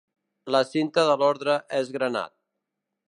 La cinta de l'orde és granat.